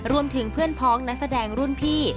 รวมถึงเพื่อนพ้องนักแสดงรุ่นพี่